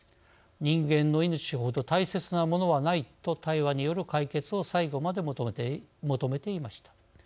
「人間の命ほど大切なものはない」と対話による解決を最後まで求めていました。